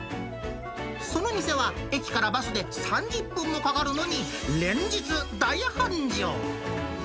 その店は駅からバスで３０分もかかるのに、連日大繁盛。